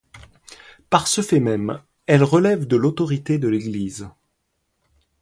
Par ce fait même, elle relève de l'autorité de l'Église.